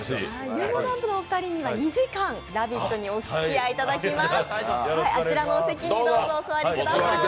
ゆんぼだんぷのお二人には２時間、「ラヴィット！」におつきあいいただきます。